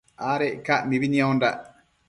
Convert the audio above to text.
Adec ca mibi niondandac